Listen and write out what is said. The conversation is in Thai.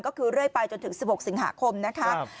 ก็คือเรื่อยไปจนถึง๑๖สิงหาคมนะคะ